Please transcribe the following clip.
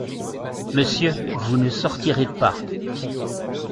Monsieur, vous ne sortirez pas.